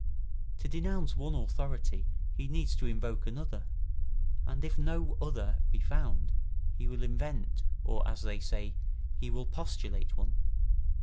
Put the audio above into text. To denounce one authority he needs to invoke another, and if no other be found, he will invent or, as they say, he will postulate one.